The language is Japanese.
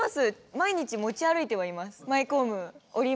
毎日持ち歩いてはいます。